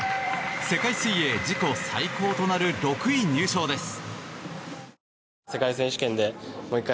世界水泳自己最高となる６位入賞です。